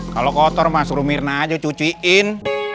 kalau kotor mah suruh mirna aja cuciin